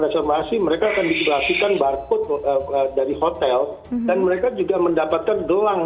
resoran sih mereka akan diperhatikan barcode dari hotel dan mereka juga mendapatkan gelang